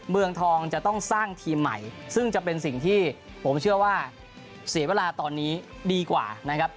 เมืองทองจะต้องสร้างทีมใหม่ซึ่งจะเป็นสิ่งที่ผมเชื่อว่าเสียเวลาตอนนี้ดีกว่านะครับ